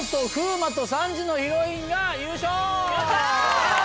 やった！